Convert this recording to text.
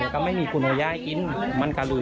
ก็ไม่ถูกให้ดูว่าเย้ย